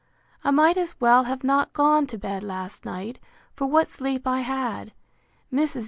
I might as well have not gone to bed last night, for what sleep I had. Mrs.